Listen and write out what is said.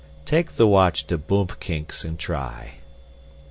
"Take the watch to Boompkinks and try."